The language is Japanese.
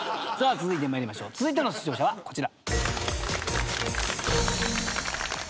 続いての出場者はこちら。